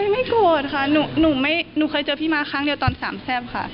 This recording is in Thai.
ไม่โกรธค่ะหนูเคยเจอพี่ม้าครั้งเดียวตอนสามแซ่บค่ะ